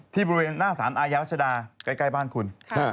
บริเวณหน้าสารอาญารัชดาใกล้บ้านคุณ